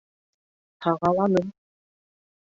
— Һағаланым...